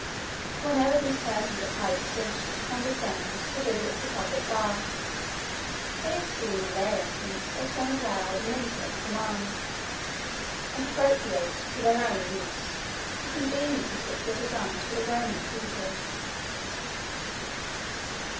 Whenever these persons of high distinction condescend to visit the public baths, they assume, on their entrance, a tone of loud and insolent command, and appropriate to their own use the conveniences which were designed for the Roman people.